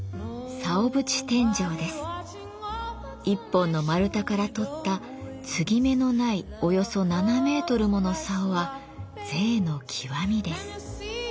一本の丸太からとった継ぎ目のないおよそ７メートルもの竿は贅の極みです。